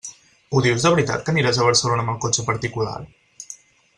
Ho dius de veritat que aniràs a Barcelona amb el cotxe particular?